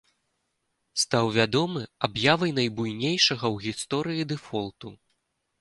Стаў вядомы аб'явай найбуйнейшага ў гісторыі дэфолту.